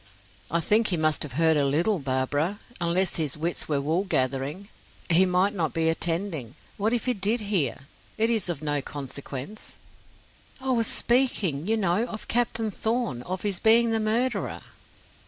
"I think he must have heard a little, Barbara, unless his wits were wool gathering. He might not be attending. What if he did hear? It is of no consequence." "I was speaking, you know, of Captain Thorn of his being the murderer."